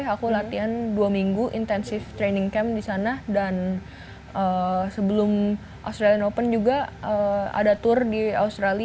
aku latihan dua minggu intensive training camp di sana dan sebelum australian open juga ada tour di australia